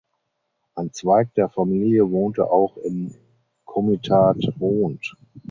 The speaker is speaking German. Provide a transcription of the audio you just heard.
Ein Zweig der Familie wohnte auch im Komitat Hont.